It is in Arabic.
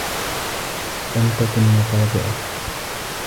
لم تكن مفاجأة.